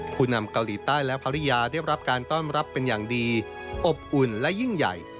ผู้นำเกาหลีใต้และภรรยาได้รับการต้อนรับเป็นอย่างดีอบอุ่นและยิ่งใหญ่